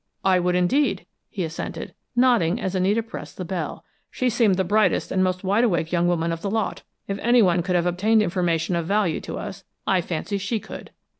"I would, indeed," he assented, nodding as Anita pressed the bell. "She seemed the brightest and most wide awake young woman of the lot. If anyone could have obtained information of value to us, I fancy she could.